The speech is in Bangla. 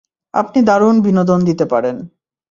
আপনি দারুণ বিনোদন দিতে পারেন।